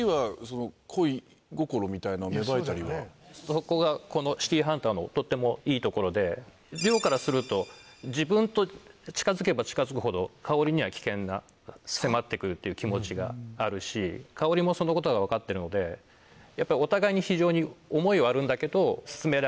そこがこの『シティーハンター』のとってもいいところでからすると自分と近づけば近づくほど香に危険が迫ってくるっていう気持ちがあるし香もそのことが分かってるのでお互いに非常に思いはあるんだけど進められない。